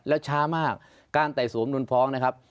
แล้วช้ามากการไต่สวนนุนฟ้องนะครับ